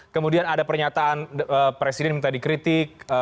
kemudian ada pernyataan presiden minta dikritik